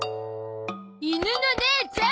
犬のねーちゃん！